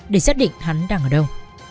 để xác định hắn đang ở đâu